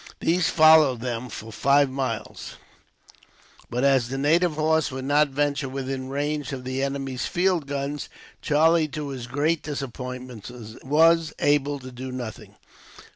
These followed them for five miles, but as the native horse would not venture within range of the enemy's field guns, Charlie, to his great disappointment, was able to do nothing.